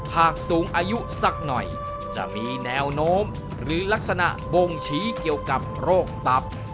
สูงอายุสักหน่อยจะมีแนวโน้มหรือลักษณะบ่งชี้เกี่ยวกับโรคตับ